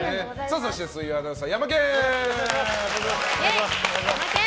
そして水曜アナウンサーヤマケン！